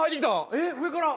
えっ上から。